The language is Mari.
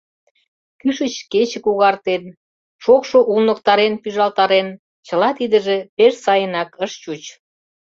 Кӱшыч кече когартен, шокшо улныктарен-пӱжалтарен, чыла тидыже пеш сайынак ыш чуч.